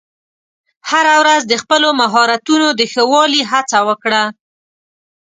هره ورځ د خپلو مهارتونو د ښه والي هڅه وکړه.